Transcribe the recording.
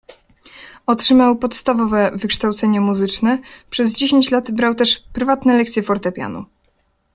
Otrzymał podstawowe wykształcenie muzyczne, przez dziesięć lat brał też prywatne lekcje fortepianu.